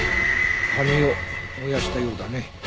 紙を燃やしたようだね。